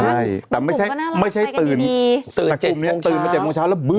ใช่แต่ไม่ใช่ตื่นตื่นจากกลุ่มนี้ตื่นมา๗โมงเช้าแล้วบึ้